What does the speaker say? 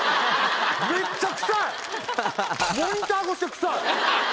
めっちゃくさい。